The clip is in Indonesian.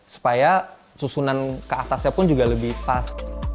supaya susunan ke atasnya pun juga lebih pas